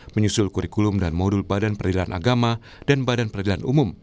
menyusul kurikulum dan modul badan peradilan agama dan badan peradilan umum